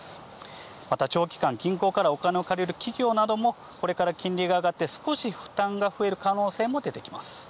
また、長期間、銀行からお金を借りる企業なども、これから金利が上がって、少し負担が増える可能性も出てきます。